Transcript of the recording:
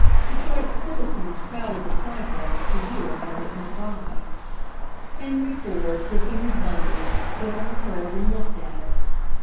Detroit's citizens crowded the sidewalks to view it as it went by. Henry Ford, gripping his bundles, stood on the curb and looked at it.